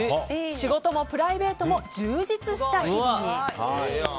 仕事もプライベートも充実した日々に。